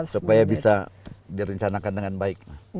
supaya bisa direncanakan dengan baik